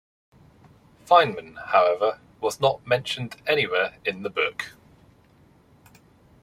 Feinman, however, was not mentioned anywhere in the book.